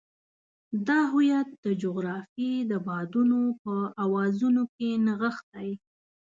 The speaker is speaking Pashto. دا هویت د جغرافیې د بادونو په اوازونو کې نغښتی.